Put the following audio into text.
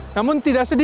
namun tidak sepenuhnya